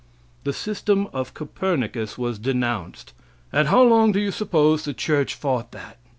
The system of Copernicus was denounced. And how long do you suppose the church fought that?